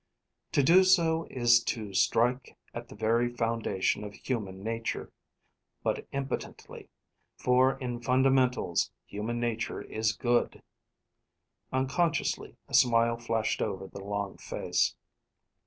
To do so is to strike at the very foundation of human nature, but impotently, for in fundamentals, human nature is good." Unconsciously, a smile flashed over the long face.